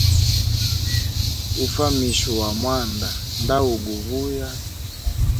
Ufamisha wa mwanda ndauguvuya.